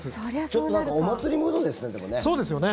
ちょっとなんかお祭りムードですね、でもね。